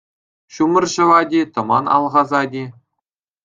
Ҫумӑр ҫӑвать-и, тӑман алхасать-и...